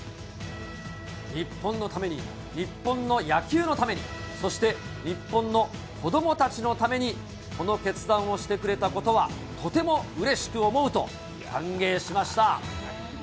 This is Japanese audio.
日本のために、日本の野球のために、そして日本の子どもたちのために、この決断をしてくれたことは、とてもうれしく思うと歓迎しました。